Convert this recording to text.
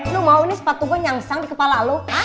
lu mau ini sepatu gue nyangsang di kepala lo